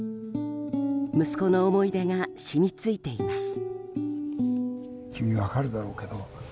息子の思い出が染みついています。